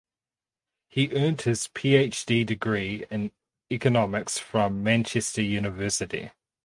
He earned his PhD degree in Economics from Manchester University.